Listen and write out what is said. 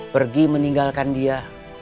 pergi meninggalkan dia